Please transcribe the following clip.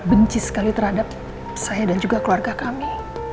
benci sekali terhadap saya dan juga keluarga kami